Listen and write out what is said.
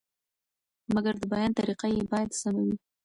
مګر د بیان طریقه یې باید سمه وي.